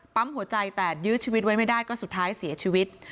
หัวใจแต่ยื้อชีวิตไว้ไม่ได้ก็สุดท้ายเสียชีวิต